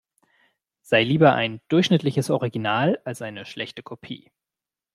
Sei lieber ein durchschnittliches Original als eine schlechte Kopie.